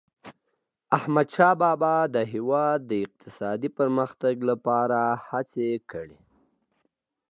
احمدشاه بابا د هیواد د اقتصادي پرمختګ لپاره هڅي کړي.